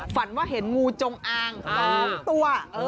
ฝันว่าเห็นงูจงอาง๒ตัว